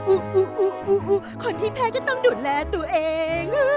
คนที่แพ้ก็ต้องดูแลตัวเอง